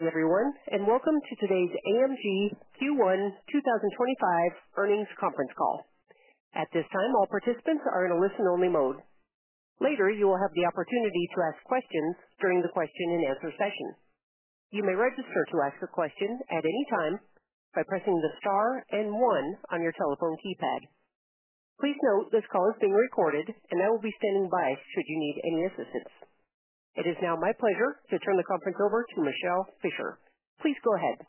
Hello everyone, and welcome to today's AMG Q1 2025 earnings conference call. At this time, all participants are in a listen-only mode. Later, you will have the opportunity to ask questions during the question-and-answer session. You may register to ask a question at any time by pressing the star and one on your telephone keypad. Please note this call is being recorded, and I will be standing by should you need any assistance. It is now my pleasure to turn the conference over to Michele Fischer. Please go ahead.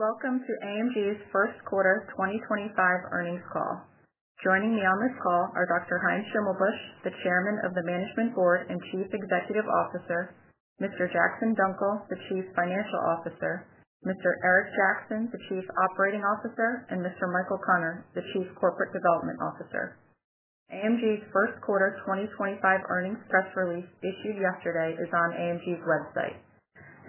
Welcome to AMG's first quarter 2025 earnings call. Joining me on this call are Dr. Heinz Schimmelbusch, the Chairman of the Management Board and Chief Executive Officer; Mr. Jackson Dunckel, the Chief Financial Officer; Mr. Eric Jackson, the Chief Operating Officer; and Mr. Michael Connor, the Chief Corporate Development Officer. AMG's first quarter 2025 earnings press release, issued yesterday, is on AMG's website.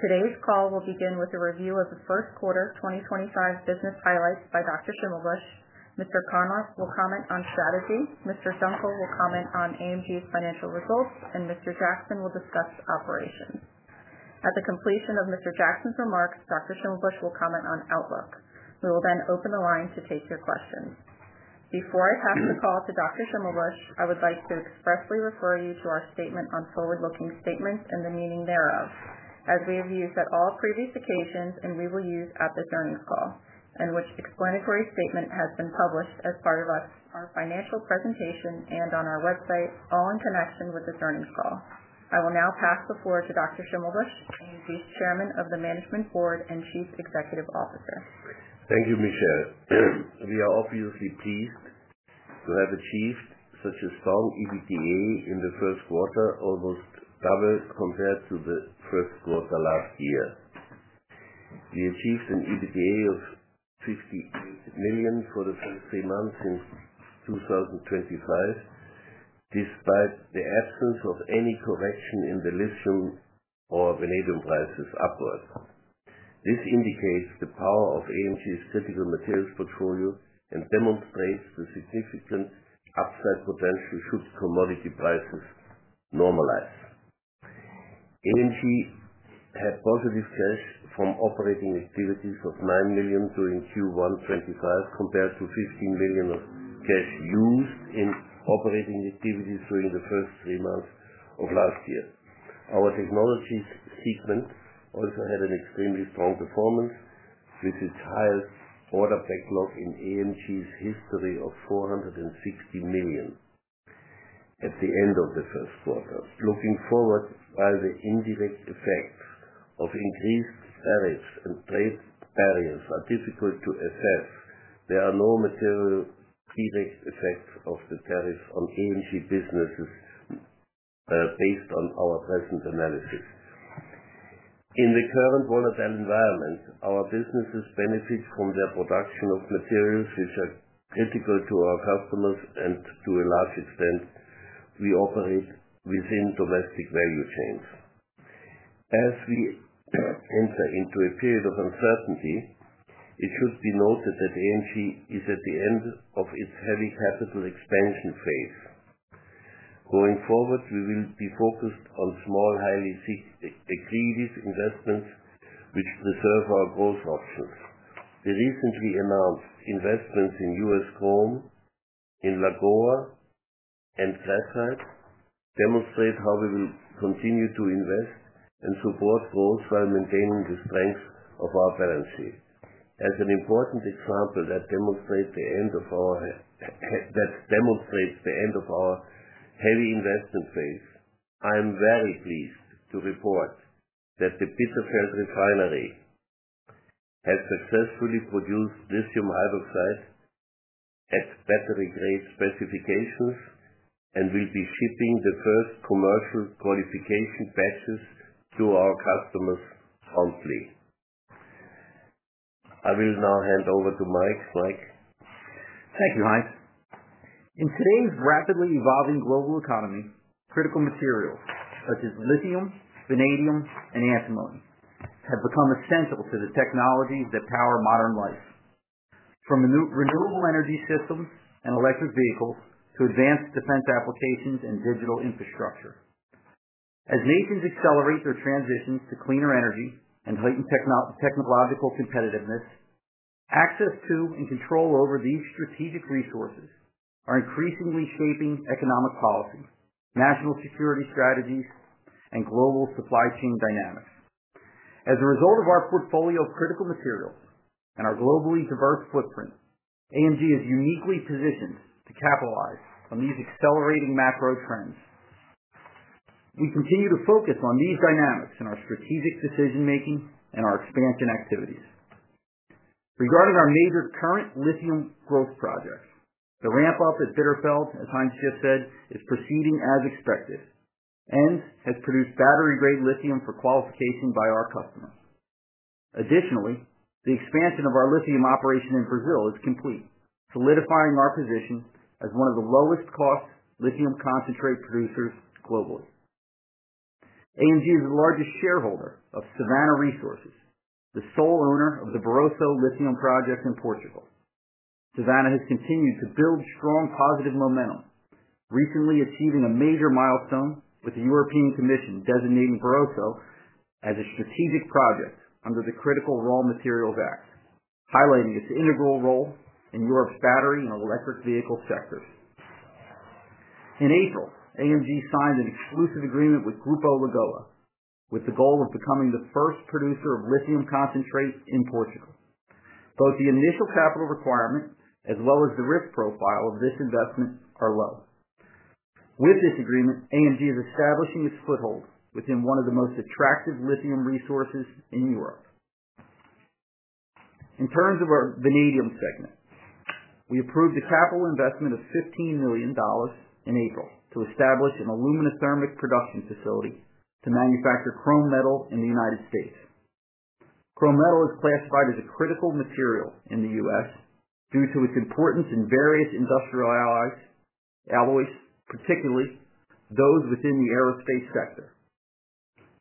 Today's call will begin with a review of the first quarter 2025 business highlights by Dr. Schimmelbusch. Mr. Connor will comment on strategy. Mr. Dunckel will comment on AMG's financial results, and Mr. Jackson will discuss operations. At the completion of Mr. Jackson's remarks, Dr. Schimmelbusch will comment on outlook. We will then open the line to take your questions. Before I pass the call to Dr. Schimmelbusch, I would like to expressly refer you to our statement on forward-looking statements and the meaning thereof, as we have used at all previous occasions and we will use at this earnings call, and which explanatory statement has been published as part of our financial presentation and on our website, all in connection with this earnings call. I will now pass the floor to Dr. Schimmelbusch, AMG's Chairman of the Management Board and Chief Executive Officer. Thank you, Michele. We are obviously pleased to have achieved such a strong EBITDA in the first quarter, almost double compared to the first quarter last year. We achieved an EBITDA of $58 million for the first three months of 2025, despite the absence of any correction in the lithium or vanadium prices upward. This indicates the power of AMG's critical materials portfolio and demonstrates the significant upside potential should commodity prices normalize. AMG had positive cash from operating activities of $9 million during Q1 2025, compared to $15 million of cash used in operating activities during the first three months of last year. Our Technologies segment also had an extremely strong performance, with its highest order backlog in AMG's history of $460 million at the end of the first quarter. Looking forward, while the indirect effects of increased tariffs and trade barriers are difficult to assess, there are no material direct effects of the tariffs on AMG businesses based on our present analysis. In the current volatile environment, our businesses benefit from their production of materials, which are critical to our customers and, to a large extent, we operate within domestic value chains. As we enter into a period of uncertainty, it should be noted that AMG is at the end of its heavy capital expansion phase. Going forward, we will be focused on small, highly seeked equities investments, which preserve our growth options. The recently announced investments in U.S. Chrome, in Lagoa, and Graphite demonstrate how we will continue to invest and support growth while maintaining the strength of our balance sheet. As an important example that demonstrates the end of our heavy investment phase, I am very pleased to report that the Bitterfeld refinery has successfully produced lithium hydroxide at battery-grade specifications and will be shipping the first commercial qualification batches to our customers monthly. I will now hand over to Mike. Mike. Thank you, Heinz. In today's rapidly evolving global economy, critical materials such as lithium, vanadium, and antimony have become essential to the technologies that power modern life, from renewable energy systems and electric vehicles to advanced defense applications and digital infrastructure. As nations accelerate their transitions to cleaner energy and heighten technological competitiveness, access to and control over these strategic resources are increasingly shaping economic policy, national security strategies, and global supply chain dynamics. As a result of our portfolio of critical materials and our globally diverse footprint, AMG is uniquely positioned to capitalize on these accelerating macro trends. We continue to focus on these dynamics in our strategic decision-making and our expansion activities. Regarding our major current lithium growth projects, the ramp-up at Bitterfeld, as Heinz just said, is proceeding as expected. Heinz has produced battery-grade lithium for qualification by our customers. Additionally, the expansion of our lithium operation in Brazil is complete, solidifying our position as one of the lowest-cost lithium concentrate producers globally. AMG is the largest shareholder of Savannah Resources, the sole owner of the Barroso lithium project in Portugal. Savannah has continued to build strong positive momentum, recently achieving a major milestone with the European Commission designating Barroso as a strategic project under the Critical Raw Materials Act, highlighting its integral role in Europe's battery and electric vehicle sectors. In April, AMG signed an exclusive agreement with Grupo Lagoa, with the goal of becoming the first producer of lithium concentrate in Portugal. Both the initial capital requirement as well as the risk profile of this investment are low. With this agreement, AMG is establishing its foothold within one of the most attractive lithium resources in Europe. In terms of our vanadium segment, we approved a capital investment of $15 million in April to establish an aluminothermic production facility to manufacture chrome metal in the U.S. Chrome metal is classified as a critical material in the U.S. due to its importance in various industrial alloys, particularly those within the aerospace sector.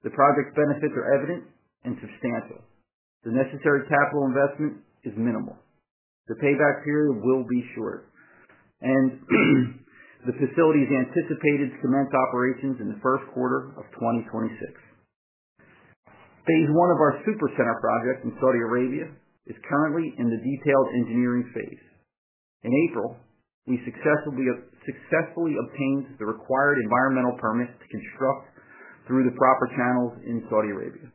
The project's benefits are evident and substantial. The necessary capital investment is minimal. The payback period will be short, and the facility is anticipated to commence operations in the first quarter of 2026. Phase one of our Super Center project in Saudi Arabia is currently in the detailed engineering phase. In April, we successfully obtained the required environmental permit to construct through the proper channels in Saudi Arabia.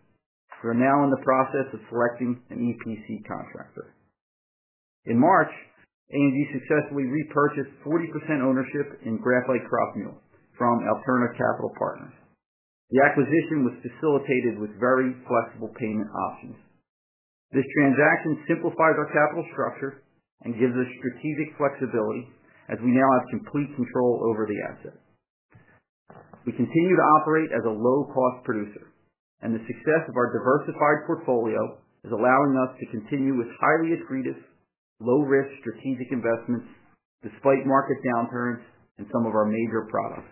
We are now in the process of selecting an EPC contractor. In March, AMG successfully repurchased 40% ownership in Graphite One from Alterna Capital Partners. The acquisition was facilitated with very flexible payment options. This transaction simplifies our capital structure and gives us strategic flexibility as we now have complete control over the asset. We continue to operate as a low-cost producer, and the success of our diversified portfolio is allowing us to continue with highly accretive, low-risk strategic investments despite market downturns in some of our major products.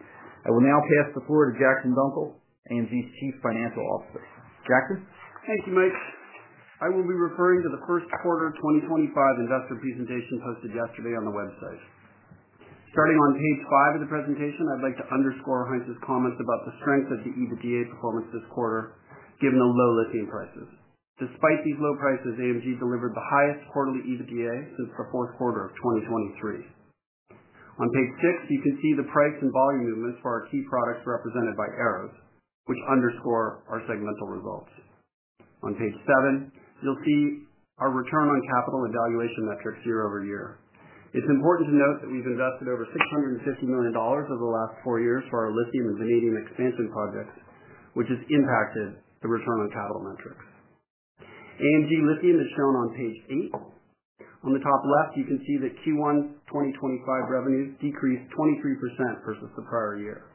I will now pass the floor to Jackson Dunckel, AMG's Chief Financial Officer. Jackson. Thank you, Mike. I will be referring to the first quarter 2025 investor presentation posted yesterday on the website. Starting on page five of the presentation, I'd like to underscore Heinz's comments about the strength of the EBITDA performance this quarter, given the low lithium prices. Despite these low prices, AMG delivered the highest quarterly EBITDA since the fourth quarter of 2023. On page six, you can see the price and volume movements for our key products represented by arrows, which underscore our segmental results. On page seven, you'll see our return on capital evaluation metrics year over year. It's important to note that we've invested over $650 million over the last four years for our lithium and vanadium expansion projects, which has impacted the return on capital metrics. AMG lithium is shown on page eight. On the top left, you can see that Q1 2025 revenues decreased 23% versus the prior year.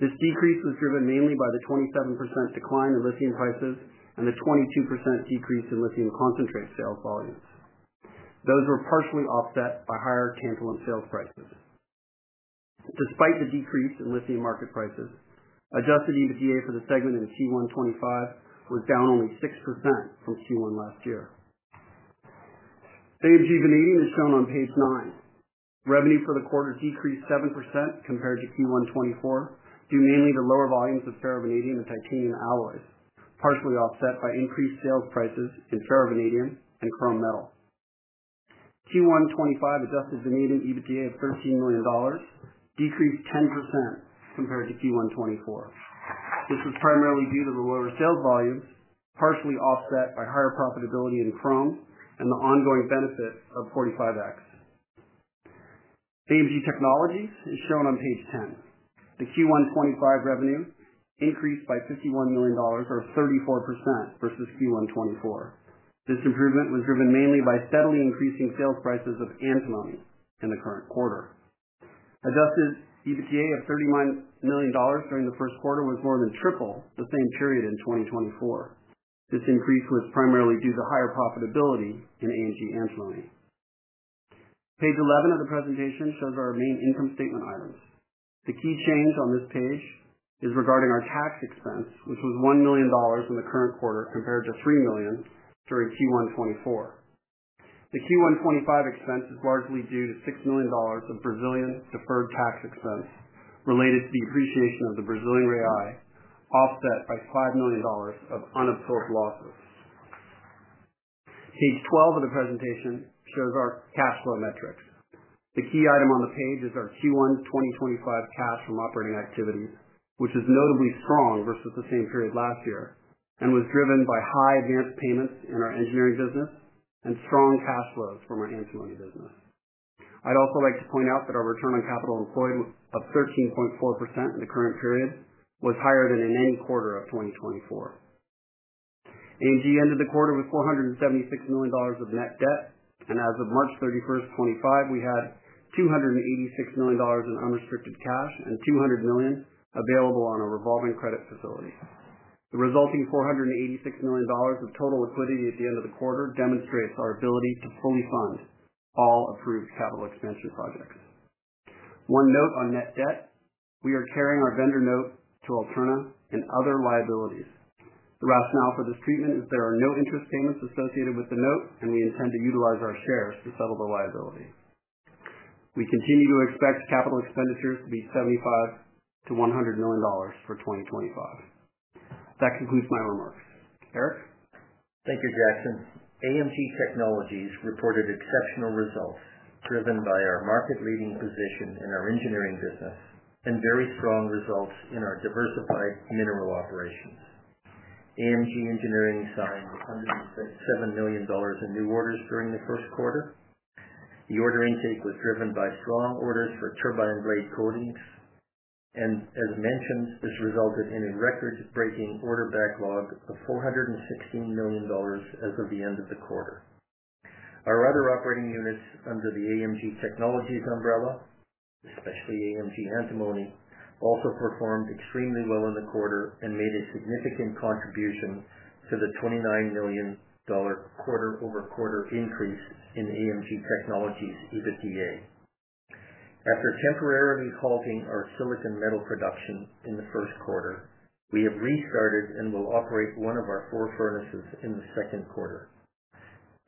This decrease was driven mainly by the 27% decline in lithium prices and the 22% decrease in lithium concentrate sales volumes. Those were partially offset by higher cantilene sales prices. Despite the decrease in lithium market prices, adjusted EBITDA for the segment in Q1 2025 was down only 6% from Q1 last year. AMG Vanadium is shown on page nine. Revenue for the quarter decreased 7% compared to Q1 2024 due mainly to lower volumes of ferrovanadium and titanium alloys, partially offset by increased sales prices in ferrovanadium and chrome metal. Q1 2025 adjusted vanadium EBITDA of $13 million decreased 10% compared to Q1 2024. This was primarily due to the lower sales volumes, partially offset by higher profitability in chrome and the ongoing benefit of 45X. AMG Technologies is shown on page ten. The Q1 2025 revenue increased by $51 million, or 34% versus Q1 2024. This improvement was driven mainly by steadily increasing sales prices of antimony in the current quarter. Adjusted EBITDA of $39 million during the first quarter was more than triple the same period in 2024. This increase was primarily due to higher profitability in AMG antimony. Page 11 of the presentation shows our main income statement items. The key change on this page is regarding our tax expense, which was $1 million in the current quarter compared to $3 million during Q1 2024. The Q1 2025 expense is largely due to $6 million of Brazilian deferred tax expense related to the appreciation of the Brazilian real, offset by $5 million of unabsorbed losses. Page 12 of the presentation shows our cash flow metrics. The key item on the page is our Q1 2025 cash from operating activities, which is notably strong versus the same period last year and was driven by high advanced payments in our engineering business and strong cash flows from our antimony business. I'd also like to point out that our return on capital employed of 13.4% in the current period was higher than in any quarter of 2024. AMG ended the quarter with $476 million of net debt, and as of March 31, 2025, we had $286 million in unrestricted cash and $200 million available on a revolving credit facility. The resulting $486 million of total liquidity at the end of the quarter demonstrates our ability to fully fund all approved capital expansion projects. One note on net debt: we are carrying our vendor note to Alterna and other liabilities. The rationale for this treatment is there are no interest payments associated with the note, and we intend to utilize our shares to settle the liability. We continue to expect capital expenditures to be $75 million-$100 million for 2025. That concludes my remarks. Eric? Thank you, Jackson. AMG Technologies reported exceptional results driven by our market-leading position in our engineering business and very strong results in our diversified mineral operations. AMG Engineering signed $107 million in new orders during the first quarter. The order intake was driven by strong orders for turbine blade coatings, and as mentioned, this resulted in a record-breaking order backlog of $416 million as of the end of the quarter. Our other operating units under the AMG Technologies umbrella, especially AMG antimony, also performed extremely well in the quarter and made a significant contribution to the $29 million quarter-over-quarter increase in AMG Technologies EBITDA. After temporarily halting our silicon metal production in the first quarter, we have restarted and will operate one of our four furnaces in the second quarter.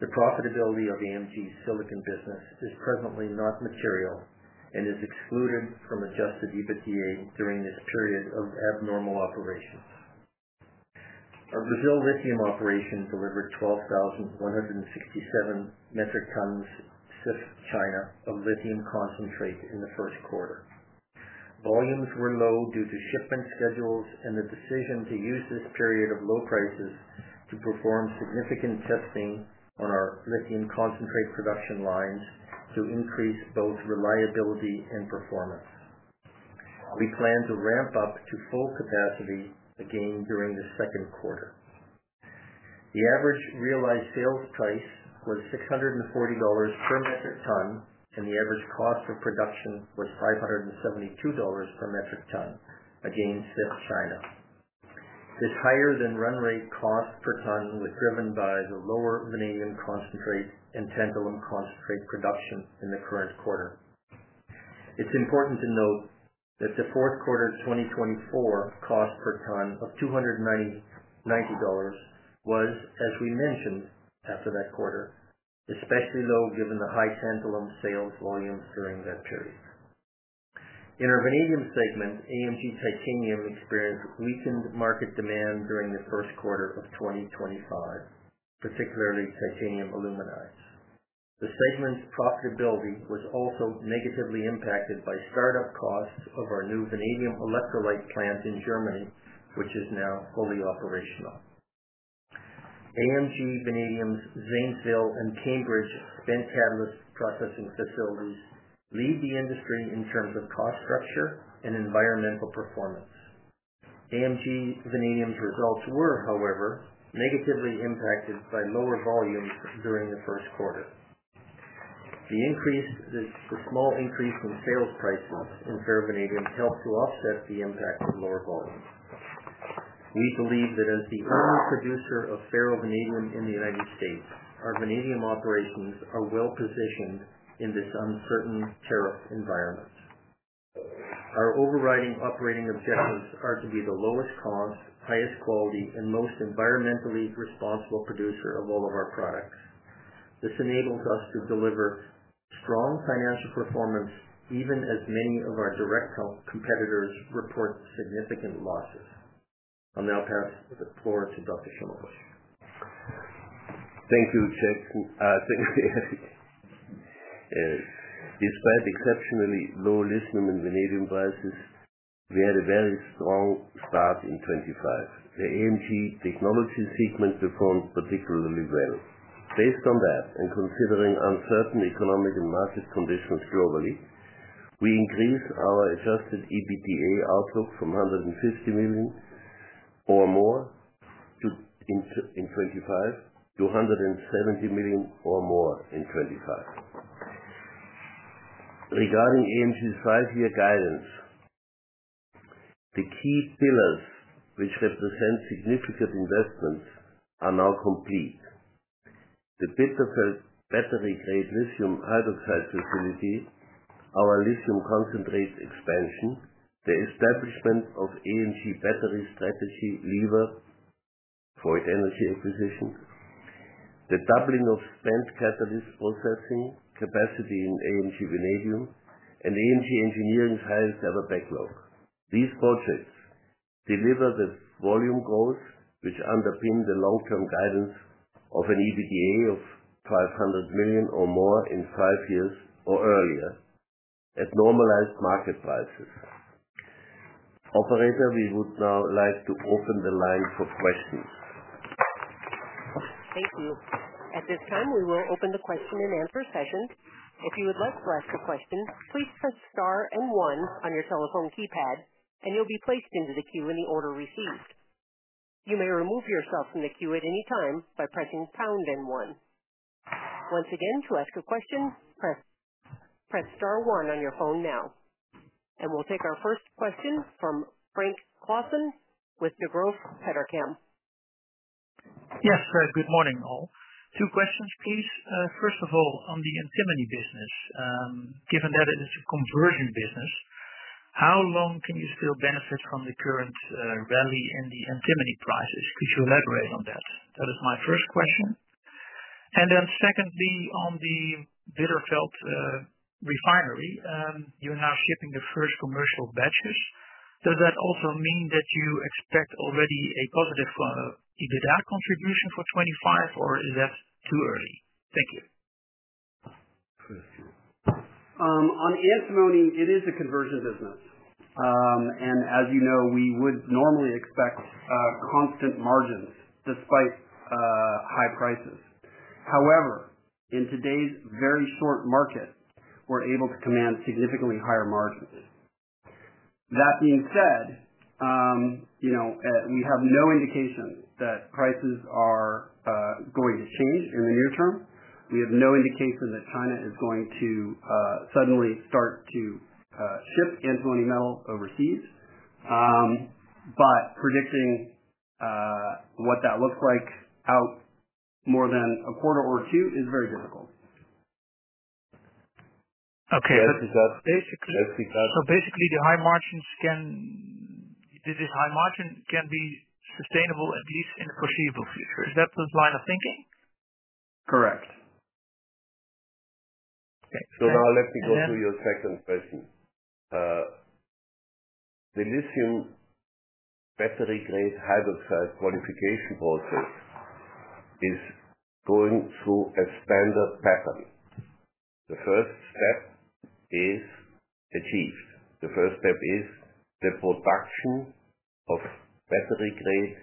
The profitability of AMG's silicon business is presently not material and is excluded from adjusted EBITDA during this period of abnormal operations. Our Brazil lithium operation delivered 12,167 metric tons CIF China of lithium concentrate in the first quarter. Volumes were low due to shipment schedules and the decision to use this period of low prices to perform significant testing on our lithium concentrate production lines to increase both reliability and performance. We plan to ramp up to full capacity again during the second quarter. The average realized sales price was $640 per metric ton, and the average cost of production was $572 per metric ton, again CIF China. This higher-than-run-rate cost per ton was driven by the lower vanadium concentrate and tantalum concentrate production in the current quarter. It's important to note that the fourth quarter 2024 cost per ton of $290 was, as we mentioned after that quarter, especially low given the high tantalum sales volumes during that period. In our vanadium segment, AMG titanium experienced weakened market demand during the first quarter of 2025, particularly titanium aluminides. The segment's profitability was also negatively impacted by startup costs of our new vanadium electrolyte plant in Germany, which is now fully operational. AMG Vanadium's Zanesville and Cambridge spent catalyst processing facilities lead the industry in terms of cost structure and environmental performance. AMG Vanadium's results were, however, negatively impacted by lower volumes during the first quarter. The small increase in sales prices in ferrovanadium helped to offset the impact of lower volumes. We believe that as the only producer of ferrovanadium in the United States, our vanadium operations are well-positioned in this uncertain tariff environment. Our overriding operating objectives are to be the lowest cost, highest quality, and most environmentally responsible producer of all of our products. This enables us to deliver strong financial performance even as many of our direct competitors report significant losses. I'll now pass the floor to Dr. Schimmelbusch. Thank you, Jacques. Despite exceptionally low lithium and vanadium prices, we had a very strong start in 2025. The AMG Technologies segment performed particularly well. Based on that, and considering uncertain economic and market conditions globally, we increased our adjusted EBITDA outlook from $150 million or more in 2025 to $170 million or more in 2025. Regarding AMG's five-year guidance, the key pillars which represent significant investments are now complete: the Bitterfeld battery-grade lithium hydroxide facility, our lithium concentrate expansion, the establishment of AMG battery strategy lever for energy acquisition, the doubling of spent catalyst processing capacity in AMG Vanadium, and AMG Engineering's highest-ever backlog. These projects deliver the volume growth which underpinned the long-term guidance of an EBITDA of $500 million or more in five years or earlier at normalized market prices. Operator, we would now like to open the line for questions. Thank you. At this time, we will open the question-and-answer session. If you would like to ask a question, please press Star and 1 on your telephone keypad, and you'll be placed into the queue in the order received. You may remove yourself from the queue at any time by pressing Pound and 1. Once again, to ask a question, press Star 1 on your phone now. We will take our first question from Frank Claassen with Degroof Petercam. Yes, good morning all. Two questions, please. First of all, on the antimony business, given that it is a conversion business, how long can you still benefit from the current rally in the antimony prices? Could you elaborate on that? That is my first question. Then secondly, on the Bitterfeld refinery, you're now shipping the first commercial batches. Does that also mean that you expect already a positive EBITDA contribution for 2025, or is that too early? Thank you. On antimony, it is a conversion business. As you know, we would normally expect constant margins despite high prices. However, in today's very short market, we are able to command significantly higher margins. That being said, we have no indication that prices are going to change in the near term. We have no indication that China is going to suddenly start to ship antimony metal overseas. Predicting what that looks like out more than a quarter or two is very difficult. Okay. That's basically. Basically, the high margin can—this high margin can be sustainable at least in the foreseeable future. Is that the line of thinking? Correct. Now let me go to your second question. The lithium battery-grade hydroxide qualification process is going through a standard pattern. The first step is achieved. The first step is the production of battery-grade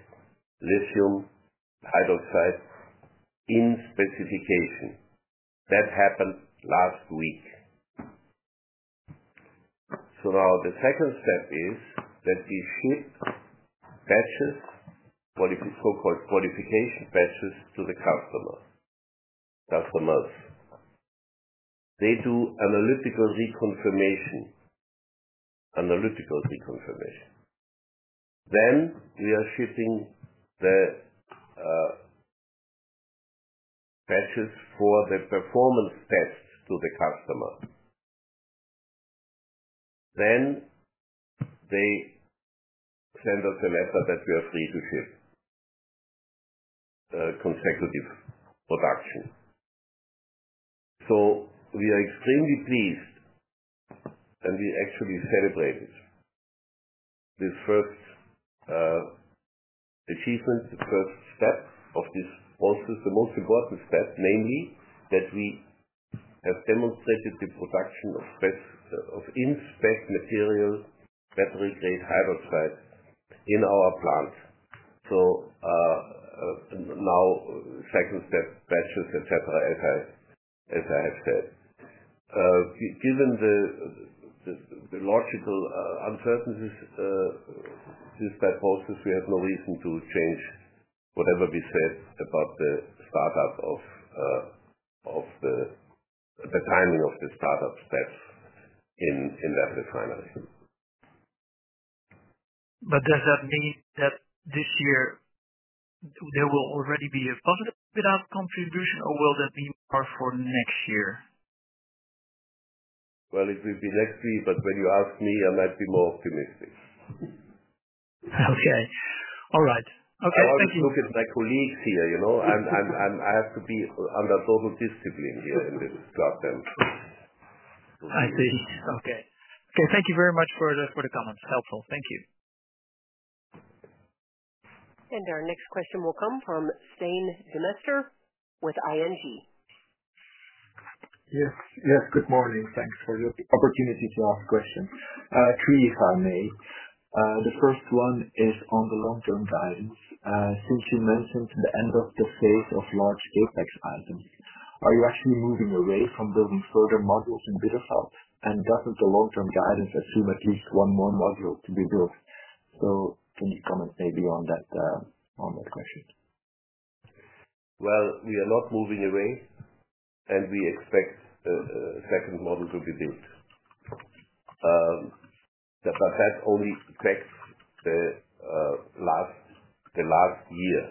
lithium hydroxide in specification. That happened last week. Now the second step is that we ship batches, so-called qualification batches, to the customers. They do analytical reconfirmation, analytical reconfirmation. We are shipping the batches for the performance test to the customer. They send us a letter that we are free to ship consecutive production. We are extremely pleased, and we actually celebrate it. This first achievement, the first step of this process, the most important step, namely that we have demonstrated the production of in-spec material battery-grade hydroxide in our plant. Now second step, batches, etc., as I have said. Given the logical uncertainties of this type of process, we have no reason to change whatever we said about the timing of the startup steps in that refinery. Does that mean that this year there will already be a positive EBITDA contribution, or will that be more for next year? It will be next year, but when you ask me, I might be more optimistic. Okay. All right. Okay. Thank you. I always look at my colleagues here. I have to be under total discipline here in this club. I see. Okay. Thank you very much for the comments. Helpful. Thank you. Our next question will come from Stijn Demeester with ING. Yes. Yes. Good morning. Thanks for the opportunity to ask questions. Three, if I may. The first one is on the long-term guidance. Since you mentioned the end of the phase of large CapEx items, are you actually moving away from building further modules in Bitterfeld, and does not the long-term guidance assume at least one more module to be built? So can you comment maybe on that question? We are not moving away, and we expect a second model to be built. That only affects the last year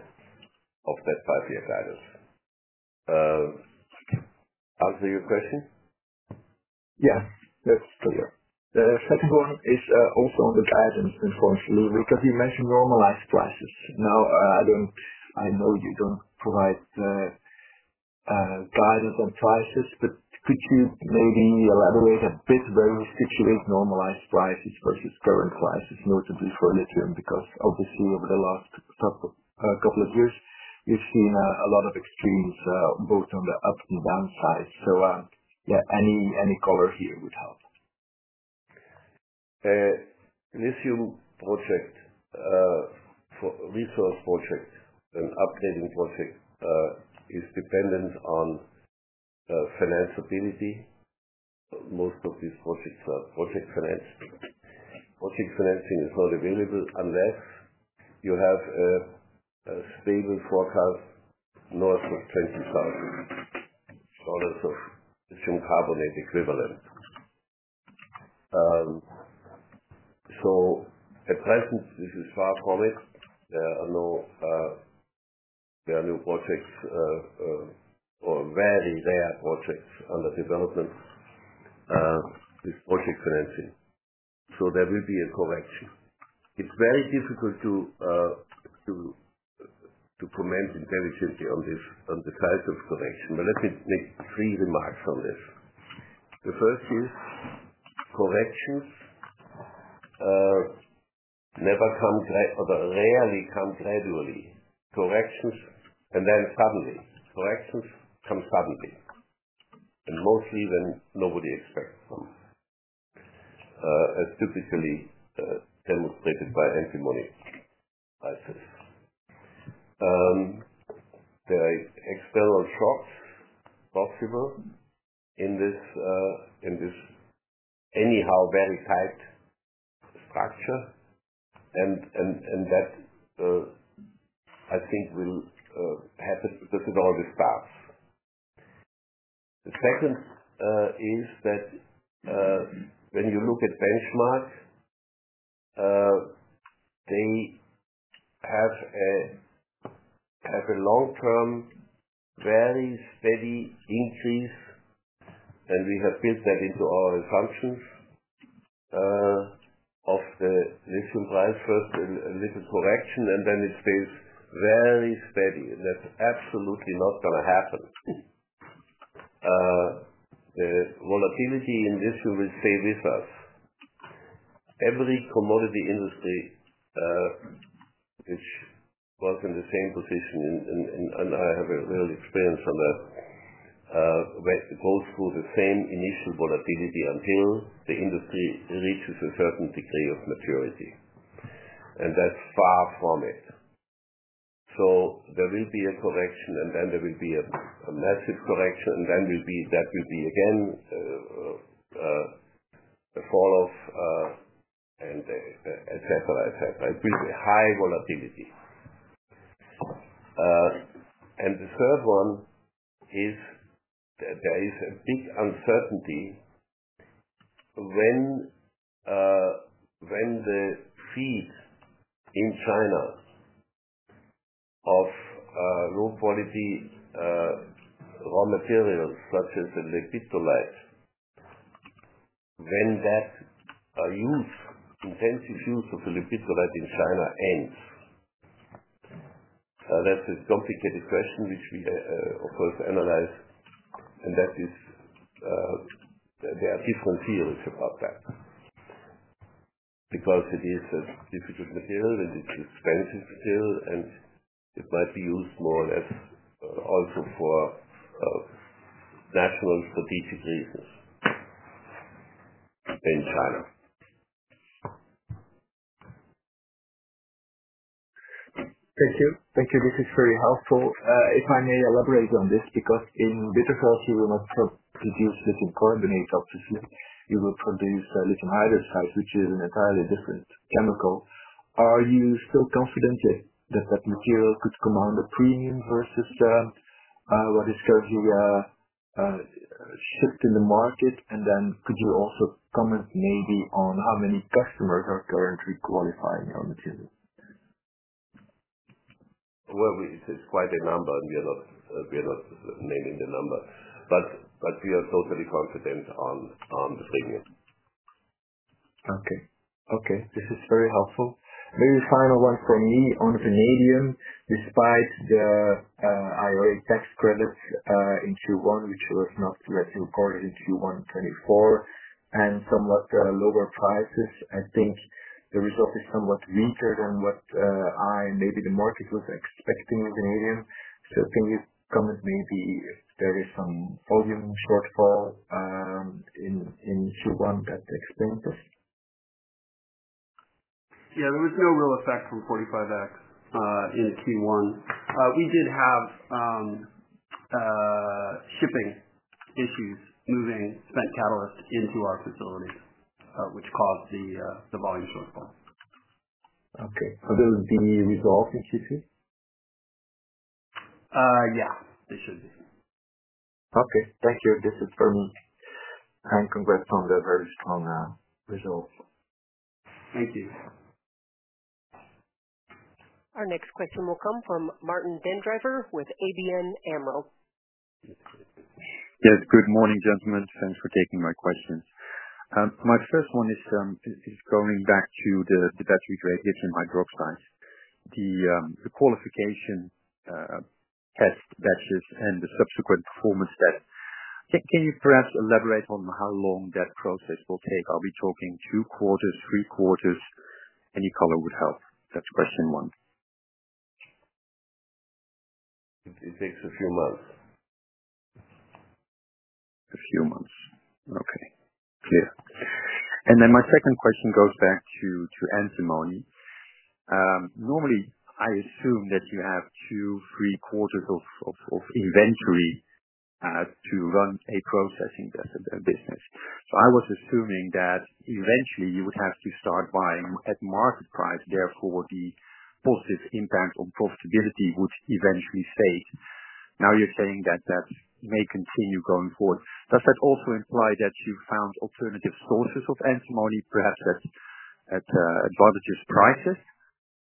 of that five-year guidance. Answer your question? Yes. That's clear. The second one is also on the guidance, unfortunately, because you mentioned normalized prices. Now, I know you don't provide guidance on prices, but could you maybe elaborate a bit where we situate normalized prices versus current prices, notably for lithium? Because obviously, over the last couple of years, we've seen a lot of extremes both on the up and down sides. Yeah, any color here would help. Lithium project, resource project, and upgrading project is dependent on financeability. Most of these projects are project financed. Project financing is not available unless you have a stable forecast north of $20,000 of lithium carbonate equivalent. At present, this is far from it. There are no new projects or very rare projects under development with project financing. There will be a correction. It's very difficult to comment intelligently on the type of correction. Let me make three remarks on this. The first is corrections rarely come gradually. Corrections come suddenly and mostly when nobody expects them, as typically demonstrated by antimony prices. There are external shocks possible in this anyhow very tight structure, and that I think will happen because it always starts. The second is that when you look at benchmark, they have a long-term very steady increase, and we have built that into our assumptions of the lithium price. First, a little correction, and then it stays very steady. That is absolutely not going to happen. The volatility in lithium will stay with us. Every commodity industry which was in the same position, and I have a real experience on that, goes through the same initial volatility until the industry reaches a certain degree of maturity. That is far from it. There will be a correction, and then there will be a massive correction, and then that will be again a falloff, etc., etc. It will be high volatility. The third one is that there is a big uncertainty when the feed in China of low-quality raw materials such as lepidolite, when that intensive use of lepidolite in China ends. That is a complicated question which we, of course, analyze, and there are different theories about that. Because it is a difficult material, and it is an expensive material, and it might be used more or less also for national strategic reasons in China. Thank you. Thank you. This is very helpful. If I may elaborate on this, because in Bitterfeld, you will not produce lithium carbonate obviously. You will produce lithium hydroxide, which is an entirely different chemical. Are you still confident that that material could command a premium versus what is currently shipped in the market? Could you also comment maybe on how many customers are currently qualifying your material? It is quite a number, and we are not naming the number. But we are totally confident on the premium. Okay. Okay. This is very helpful. Maybe final one for me on vanadium. Despite the IOA tax credits in Q1, which was not recorded in Q1 2024, and somewhat lower prices, I think the result is somewhat weaker than what maybe the market was expecting in vanadium. Can you comment maybe if there is some volume shortfall in Q1 that explains this? Yeah. There was no real effect from 45X in Q1. We did have shipping issues moving spent catalyst into our facilities, which caused the volume shortfall. Okay. So those will be resolved in Q2? Yeah. They should be. Okay. Thank you. This is for me. And congrats on the very strong result. Thank you. Our next question will come from Martin Den Drijver with ABN AMRO. Yes. Good morning, gentlemen. Thanks for taking my questions. My first one is going back to the battery-grade lithium hydroxide, the qualification test batches, and the subsequent performance test. Can you perhaps elaborate on how long that process will take? Are we talking two quarters, three quarters? Any color would help. That's question one. It takes a few months. A few months. Okay. Clear. My second question goes back to antimony. Normally, I assume that you have two-three quarters of inventory to run a processing business. I was assuming that eventually you would have to start buying at market price. Therefore, the positive impact on profitability would eventually fade. Now you are saying that that may continue going forward. Does that also imply that you found alternative sources of antimony, perhaps at advantageous prices?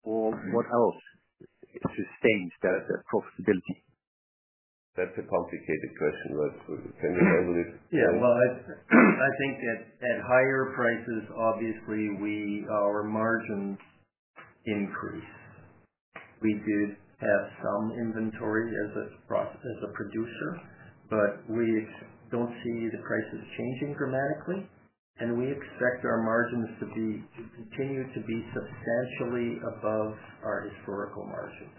Or what else sustains that profitability? That's a complicated question. Can you elaborate? Yeah. I think at higher prices, obviously, our margins increase. We did have some inventory as a producer, but we do not see the prices changing dramatically. We expect our margins to continue to be substantially above our historical margins.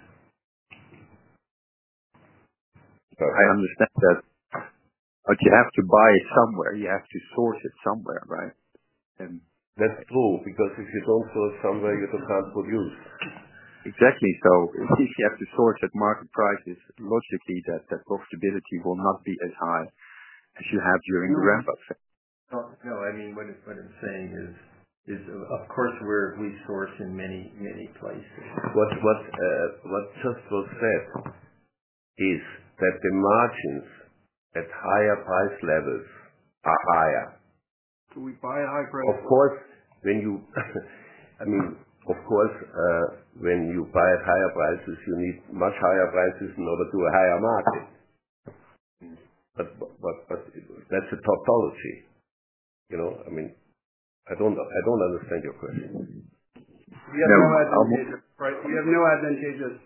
I understand that. You have to buy it somewhere. You have to source it somewhere, right? That's true because if you don't source somewhere, you don't have produced. Exactly. If you have to source at market prices, logically, that profitability will not be as high as you have during the ramp-up phase. No. I mean, what I'm saying is, of course, we source in many, many places. What just was said is that the margins at higher price levels are higher. Do we buy at high prices? Of course, when you buy at higher prices, you need much higher prices in order to a higher market. That's a tautology. I mean, I don't understand your question. We have no advantageous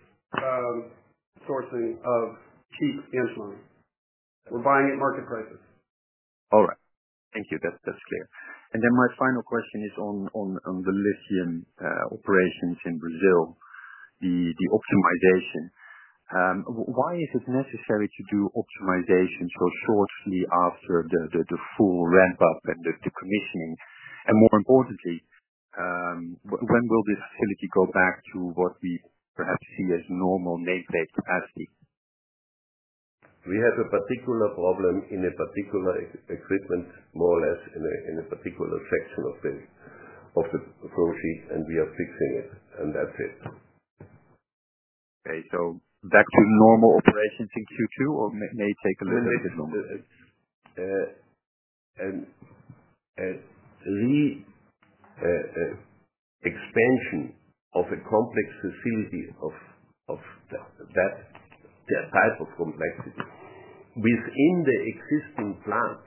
sourcing of cheap antimony. We're buying at market prices. All right. Thank you. That's clear. My final question is on the lithium operations in Brazil, the optimization. Why is it necessary to do optimization so shortly after the full ramp-up and the commissioning? More importantly, when will this facility go back to what we perhaps see as normal nameplate capacity? We have a particular problem in a particular equipment, more or less in a particular section of the flow sheet, and we are fixing it. That is it. Okay. So back to normal operations in Q2 or may take a little bit longer? The expansion of a complex facility of that type of complexity within the existing plant,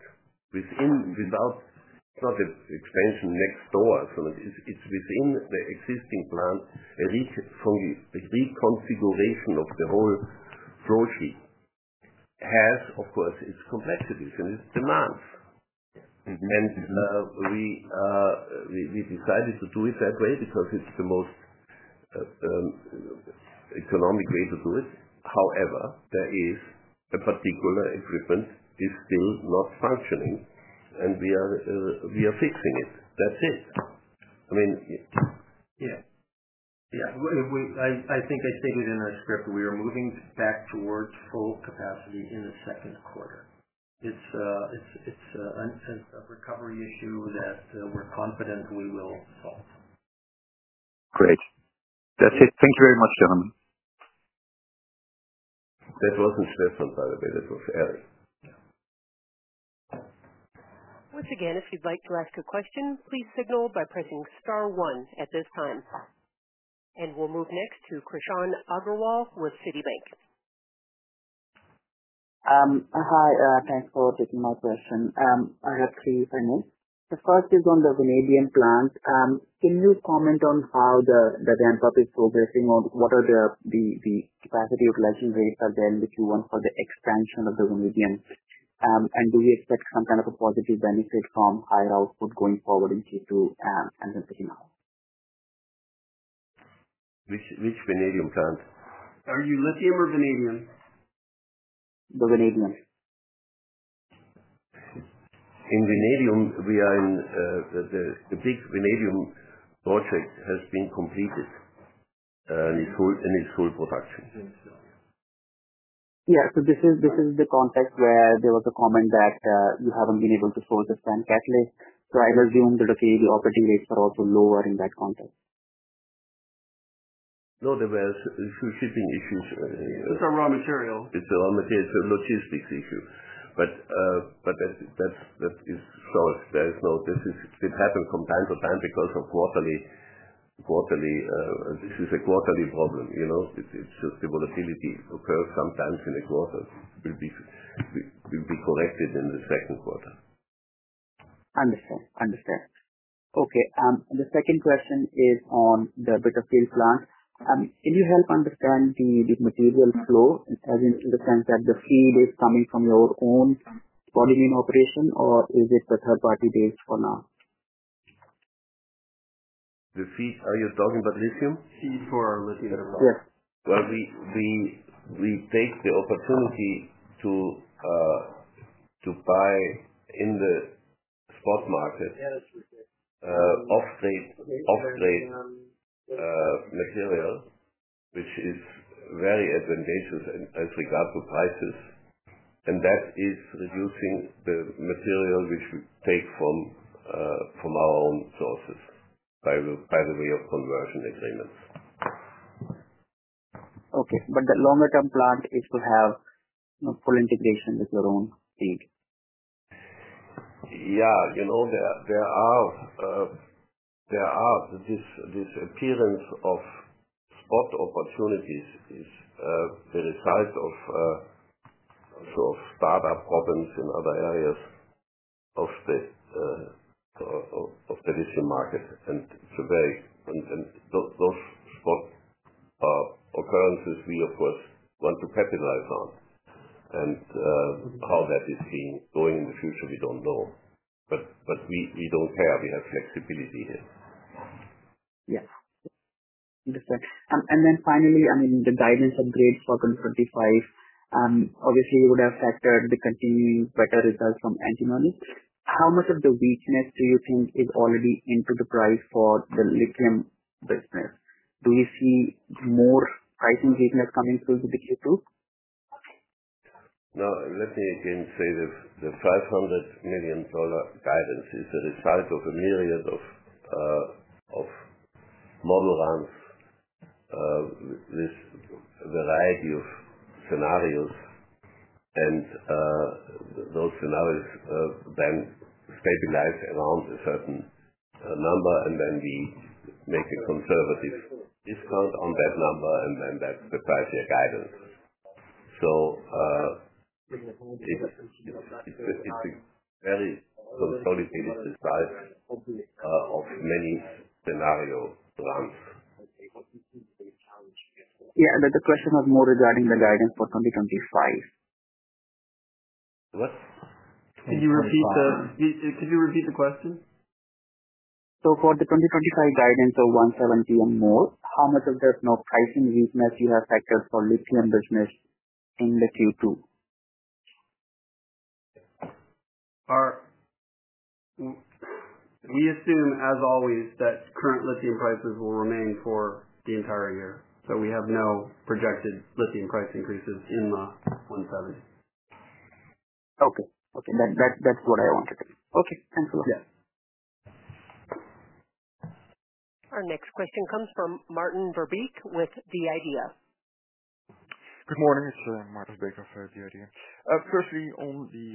without, it's not an expansion next door, so it's within the existing plant, reconfiguration of the whole flow sheet has, of course, its complexities and its demands. We decided to do it that way because it's the most economic way to do it. However, there is a particular equipment that is still not functioning, and we are fixing it. That's it. I mean. Yeah. Yeah. I think I stated in our script that we are moving back towards full capacity in the second quarter. It is a recovery issue that we are confident we will solve. Great. That's it. Thank you very much, gentlemen. That was not Stefan, by the way. That was Eric. Once again, if you'd like to ask a question, please signal by pressing star one at this time. We will move next to Krishan Agrawal with Citibank. Hi. Thanks for taking my question. I have three questions. The first is on the vanadium plant. Can you comment on how the ramp-up is progressing? What are the capacity utilization rates again with Q1 for the expansion of the vanadium? Do we expect some kind of a positive benefit from higher output going forward in Q2 and then picking up? Which vanadium plant? Are you lithium or vanadium? The vanadium. In vanadium, we are in the big vanadium project has been completed and is full production. Yeah. This is the context where there was a comment that you have not been able to source the spent catalyst. I would assume that, okay, the operating rates are also lower in that context. No, there were shipping issues. It's a raw material. It's a logistics issue. That is solved. It happens from time to time because this is a quarterly problem. The volatility occurs sometimes in a quarter. It will be corrected in the second quarter. Understood. Understood. Okay. The second question is on the Bitterfeld plant. Can you help understand the material flow in the sense that the feed is coming from your own spodumene operation, or is it the third-party based for now? The feed? Are you talking about lithium? Feed for our lithium production. Yes. We take the opportunity to buy in the spot market off-strate material, which is very advantageous as regards to prices. That is reducing the material which we take from our own sources by the way of conversion agreements. Okay. The longer-term plan is to have full integration with your own feed? Yeah. The appearance of spot opportunities is the result of sort of startup problems in other areas of the lithium market. Those spot occurrences, we, of course, want to capitalize on. How that is going in the future, we don't know. We don't care. We have flexibility here. Yeah. Understood. And then finally, I mean, the guidance upgrade for 2025, obviously, would have factored the continuing better results from antimony. How much of the weakness do you think is already into the price for the lithium business? Do we see more pricing weakness coming through the Q2? No. Let me again say the $500 million guidance is the result of a myriad of model runs with a variety of scenarios. Those scenarios then stabilize around a certain number, and we make a conservative discount on that number, and that is the price of your guidance. It is a very consolidated result of many scenario runs. Yeah. The question was more regarding the guidance for 2025. What? Can you repeat the question? For the 2025 guidance of 170 and more, how much of that pricing weakness do you have factored for lithium business in the Q2? We assume, as always, that current lithium prices will remain for the entire year. So we have no projected lithium price increases in the $170. Okay. Okay. That's what I wanted to know. Okay. Thanks a lot. Yeah. Our next question comes from Martin Verbeek with The Idea. Good morning. It's Martin Verbeek of The Idea. Firstly, on the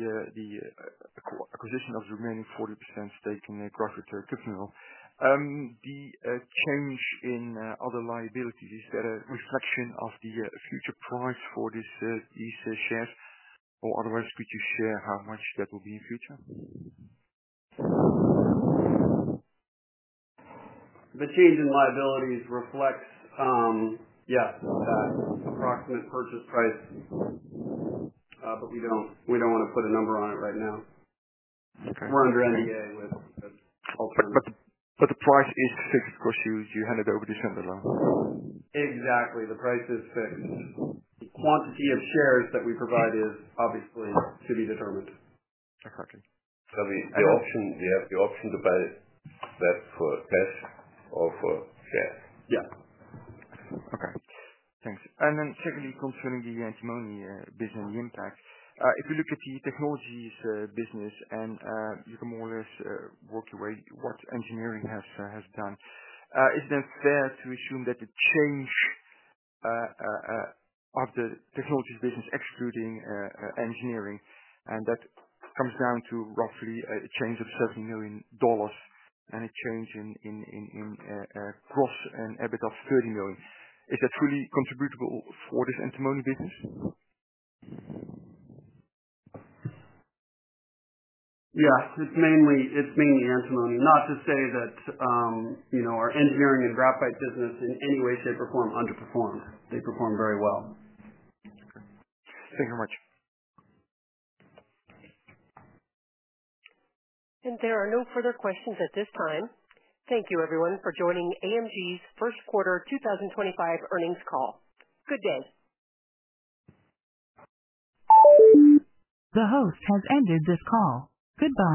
acquisition of the remaining 40% stake in Graphite One, the change in other liabilities, is that a reflection of the future price for these shares? Or otherwise, could you share how much that will be in future? The change in liabilities reflects, yeah, that approximate purchase price. We do not want to put a number on it right now. We are under NDA with Alterna. The price is fixed, because you handed over the share number. Exactly. The price is fixed. The quantity of shares that we provide is obviously to be determined. Exactly. The option to buy that for cash or for shares. Yeah. Okay. Thanks. Secondly, concerning the antimony business impact, if you look at the Technologies business and you can more or less work your way what Engineering has done, is it fair to assume that the change of the Technologies business, excluding Engineering, and that comes down to roughly a change of $70 million and a change in gross and EBITDA of $30 million? Is that truly contributable for this antimony business? Yeah. It's mainly antimony. Not to say that our engineering and graphite business in any way, shape, or form underperformed. They perform very well. Thank you very much. There are no further questions at this time. Thank you, everyone, for joining AMG's first quarter 2025 earnings call. Good day. The host has ended this call. Goodbye.